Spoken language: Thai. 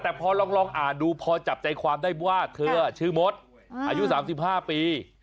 แต่พอลองอ่านดูพอจับใจความได้ว่าเธอชื่อมดอายุ๓๕ปี